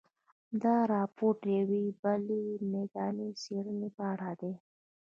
دا راپور د یوې بلې میداني څېړنې په اړه دی.